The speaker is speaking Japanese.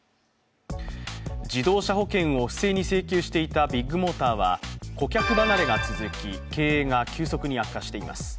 自動車保険を不正に請求していたビッグモーターは顧客離れが続き、経営が急速に悪化しています。